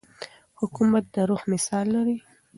حکومت د روح مثال لري.